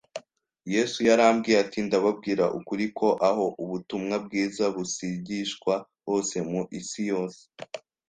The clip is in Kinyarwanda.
Yesu yarababwiye ati: «Ndababwira ukuri ko aho ubutumwa bwiza buzigishwa hose mu isi yose,